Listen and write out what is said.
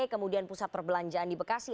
kemudian pusat perbelanjaan di bekasi